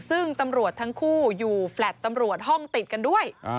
ซึ่งตำรวจทั้งคู่อยู่แฟลต์ตำรวจห้องติดกันด้วย